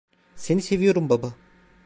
Seni seviyorum baba.